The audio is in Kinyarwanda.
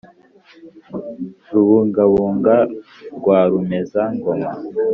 rubungabunga rwa rumeza-ngoma